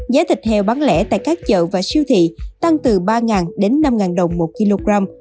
giá thịt heo bán lẻ tại các chợ và siêu thị tăng từ ba đến năm đồng một kg